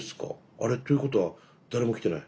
あれということは誰も来てない？